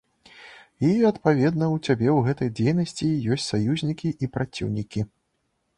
І, адпаведна, у цябе ў гэтай дзейнасці ёсць саюзнікі і праціўнікі.